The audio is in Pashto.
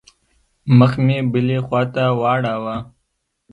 مخ مې بلې خوا ته واړاوه.